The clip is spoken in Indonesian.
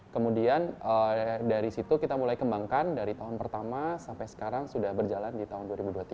kemudian dari situ kita mulai kembangkan dari tahun pertama sampai sekarang sudah berjalan di tahun dua ribu dua puluh tiga